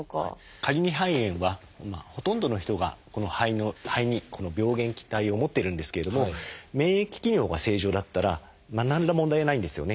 カリニ肺炎はほとんどの人が肺にこの病原体を持っているんですけれども免疫機能が正常だったら何ら問題はないんですよね。